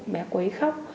bé quấy khóc